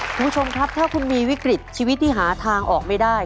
คุณผู้ชมครับถ้าคุณมีวิกฤตชีวิตที่หาทางออกไม่ได้